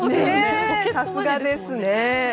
さすがですね。